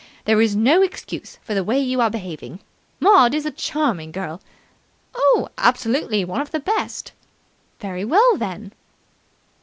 There is no excuse for the way you are behaving. Maud is a charming girl " "Oh, absolutely! One of the best." "Very well, then!"